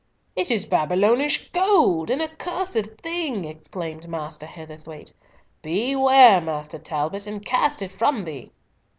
"It is Babylonish gold, an accursed thing!" exclaimed Master Heatherthwayte. "Beware, Master Talbot, and cast it from thee."